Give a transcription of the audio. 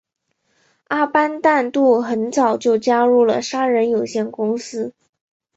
阿班旦杜很早就加入了杀人有限公司。